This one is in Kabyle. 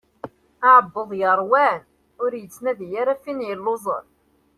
Aɛebbuḍ yeṛwan ur yettnadi ara ɣef win yelluẓen.